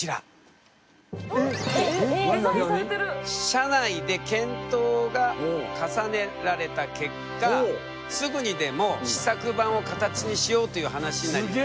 社内で検討が重ねられた結果すぐにでも試作版を形にしようという話になりました。